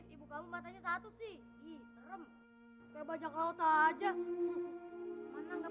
ibu keluar dulu